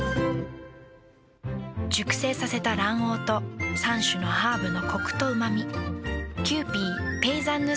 熟成させた卵黄と３種のハーブのコクとうま味。